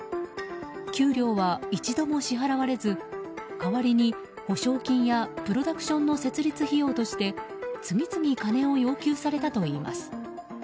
給料は一度も支払われず代わりに保証金やプロダクションの設立費用として次々、金を要求されたといいます。